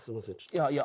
いやいや。